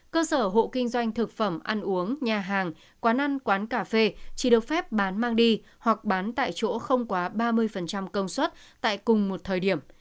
cơ sở hộ kinh doanh thực phẩm ăn uống nhà hàng quán ăn quán cà phê chỉ được phép bán mang đi hoặc bán tại chỗ không quá ba mươi công suất tại cùng một thời điểm